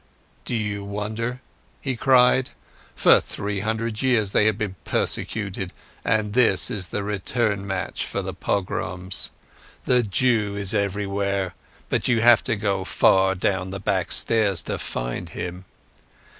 "Do you wonder?" he cried. "For three hundred years they have been persecuted, and this is the return match for the pogroms. The Jew is everywhere, but you have to go far down the backstairs to find him.